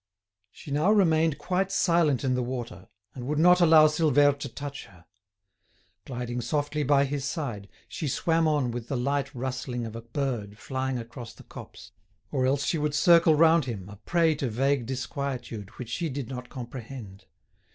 She now remained quite silent in the water, and would not allow Silvère to touch her. Gliding softly by his side, she swam on with the light rustling of a bird flying across the copse, or else she would circle round him, a prey to vague disquietude which she did not comprehend.